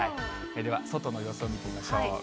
では、外の様子を見てみましょう。